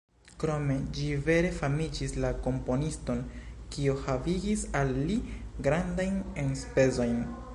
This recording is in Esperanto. Krome ĝi vere famigis la komponiston, kio havigis al li grandajn enspezojn.